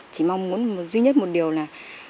chỉ mong muốn duy nhất một điều là